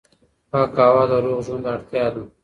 پاکه هوا د روغ ژوند اړتیا ده.